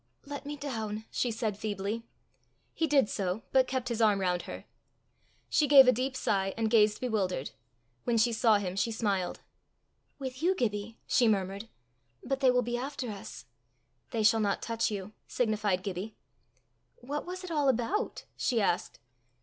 "Let me down," she said feebly. He did so, but kept his arm round her. She gave a deep sigh, and gazed bewildered. When she saw him, she smiled. "With you, Gibbie!" she murmured. " But they will be after us!" "They shall not touch you," signified Gibbie. "What was it all about?" she asked.